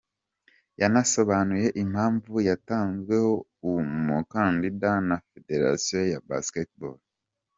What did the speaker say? Yanasobanuye impamvu yatanzweho umukandida na Federasiyo ya Basketball.